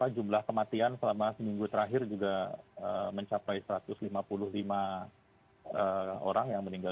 jumlah kematian selama seminggu terakhir juga mencapai satu ratus lima puluh lima orang yang meninggal